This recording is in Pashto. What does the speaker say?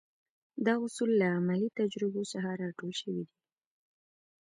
دا اصول له عملي تجربو څخه را ټول شوي دي.